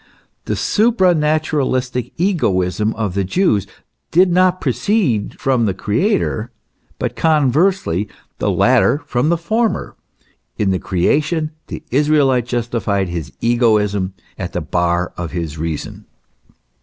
The supranaturalistic egoism of the Jews did not proceed from the Creator, but conversely, the latter from the former ; in the creation the Israelite justified his egoism at the bar of his reason.